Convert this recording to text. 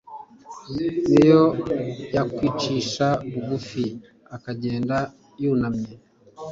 n'iyo yakwicisha bugufi akagenda yunamye